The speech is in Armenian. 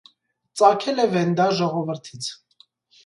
Ծագել է վենդա ժողովրդից։